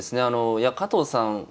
あのいや加藤さん